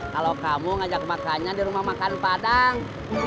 kalau kamu ngajak makannya di rumah makan padang